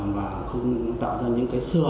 và không tạo ra những cái sửa